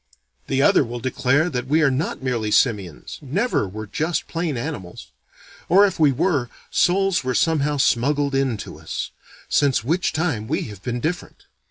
The other will declare that we are not merely simians, never were just plain animals; or, if we were, souls were somehow smuggled in to us, since which time we have been different.